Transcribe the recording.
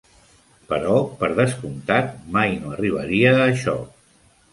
Però, per descomptat, mai no arribaria a això.